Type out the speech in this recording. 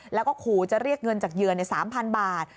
แล้วก็ขู่จะเรียกเงินจากเหยื่อ๓๐๐บาท